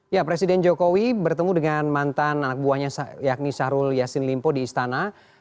ya presiden jokowi bertemu dengan mantan anak buahnya yakni syahrul yassin limpo di istana